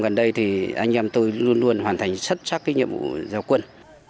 anh em tôi luôn luôn hoàn thành sắt chắc nhiệm vụ giao quân